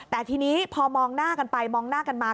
แต่ทีนี้พอมองหน้ากันไปมองหน้ากันมา